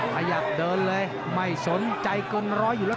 ขยับเดินเลยไม่สนใจเกินร้อยอยู่แล้ว